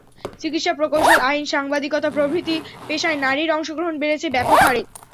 চিকিৎসা, প্রকৌশল, আইন, সাংবাদিকতা প্রভৃতি পেশায় নারীর অংশগ্রহণ বেড়েছে ব্যাপক হারে।